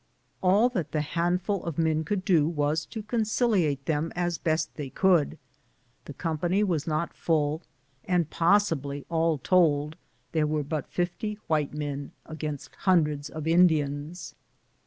All that the handful of men could do was to conciliate them as best they could. The company was not full, and possibly, all told, there were but fifty white men against hundreds of Indians.